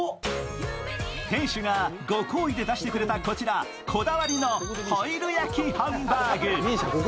店主がご厚意で出してくれたこちら、こだわりのホイル焼きハンバーグ。